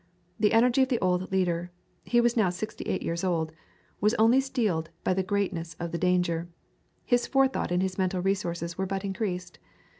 The energy of the old leader he was now sixty eight years old was only steeled by the greatness of the danger; his forethought and his mental resources were but increased.